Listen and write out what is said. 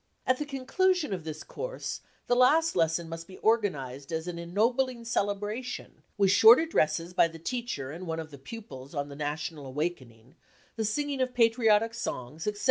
At the conclusion of this course the last lesson must be organised as an ennobling celebra tion, with short addresses by the teacher and one of the pupils on the national awakening, the singing of patriotic songs, etc.